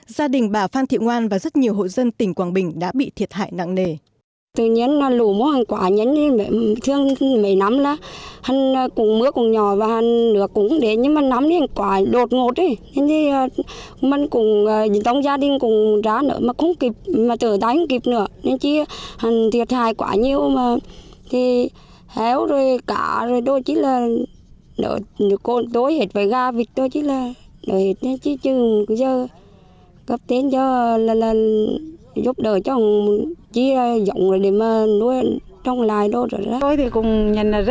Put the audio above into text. gia đình bà phan thiệu ngoan và rất nhiều hộ dân tỉnh quảng bình đã bị thiệt hại nặng nề